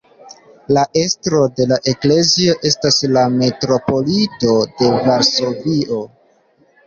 La estro de la eklezio estas la metropolito de Varsovio.